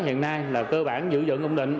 hiện nay là cơ bản giữ dựng công định